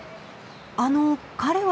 あの彼は？